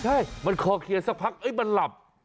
ใช่มันคอเคลียร์สักพักมันหลับ